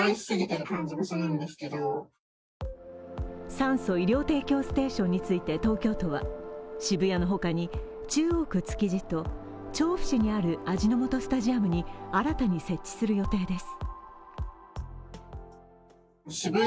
酸素・医療提供ステーションについて東京都は渋谷の他に、中央区築地と調布市にある味の素スタジアムに新たに設置する予定です。